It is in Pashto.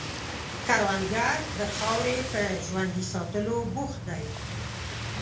کروندګر د خاورې په ژوندي ساتلو بوخت دی